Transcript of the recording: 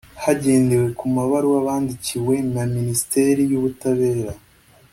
Hagendewe ku mabaruwa bandikiwe na Minisiteri y’Ubutabera